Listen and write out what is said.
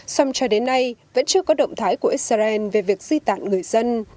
song cho đến nay vẫn chưa có động thái của israel về việc di tản người dân